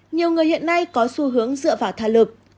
nhiều người hiện nay có xu hướng dựa vào thà lực